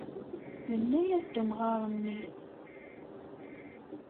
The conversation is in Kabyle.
Yenna-as-d umɣar-nni.